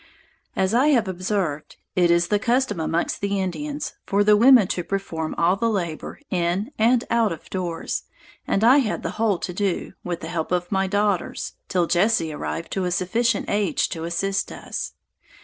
As I have observed, it is the custom amongst the Indians, for the women to perform all the labor in, and out of doors, and I had the whole to do, with the help of my daughters, till Jesse arrived to a sufficient age to assist us.